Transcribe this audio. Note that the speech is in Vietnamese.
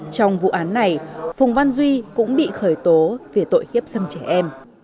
trong vụ án này phùng văn duy cũng bị khởi tố về tội hiếp dâm trẻ em